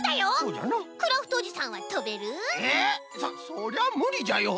そそりゃむりじゃよ。